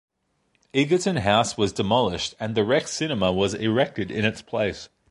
Egerton House was demolished and the Rex Cinema was erected in its place.